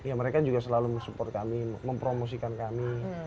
ya mereka juga selalu mensupport kami mempromosikan kami